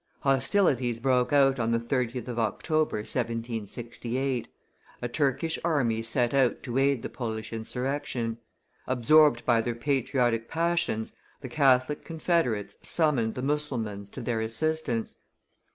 Hostilities broke out on the 30th of October, 1768; a Turkish army set out to aid the Polish insurrection. Absorbed by their patriotic passions, the Catholic confederates summoned the Mussulmans to their assistance.